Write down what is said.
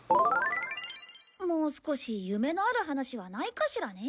もう少し夢のある話はないかしらね。